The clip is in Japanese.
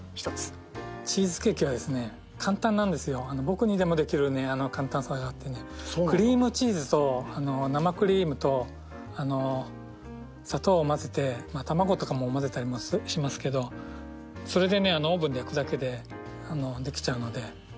僕にでもできる簡単さがあってクリームチーズと生クリームと砂糖を混ぜて卵とかも混ぜたりもしますけどそれでねオーブンで焼くだけでできちゃうので。